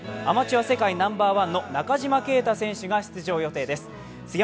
アマチュア世界ナンバーワンの中島啓太選手が出場予定です。